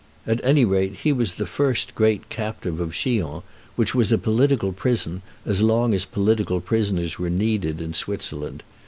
At any rate, he was the first great captive of Chillon, which was a political prison as long as political prisoners were needed in Switzerland.